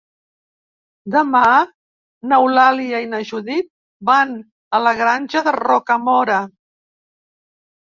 Demà n'Eulàlia i na Judit van a la Granja de Rocamora.